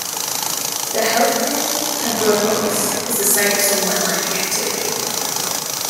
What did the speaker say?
The Houtman Abrolhos is the site of some wetlining activity.